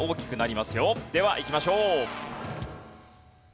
ではいきましょう。